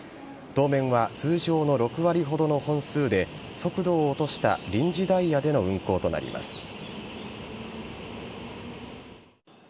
当面は通常の６割ほどの本数で、速度を落とした臨時ダイヤでの運行となります。